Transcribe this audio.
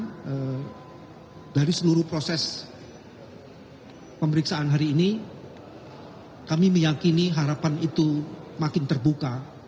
dan dari seluruh proses pemeriksaan hari ini kami meyakini harapan itu makin terbuka